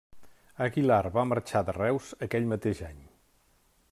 Aguilar va marxar de Reus aquell mateix any.